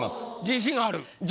自信ある？